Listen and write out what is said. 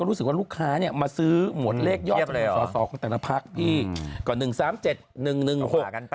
รู้สึกว่าลูกค้าเนี่ยมาซื้อหวดเลขยอดสอสอของแต่ละพักพี่ก็๑๓๗๑๑๖กันไป